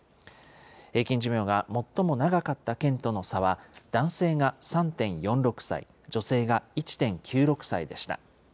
平均寿命が最も長かった県との差は、男性が３．４６歳、女性が１．９６歳でした。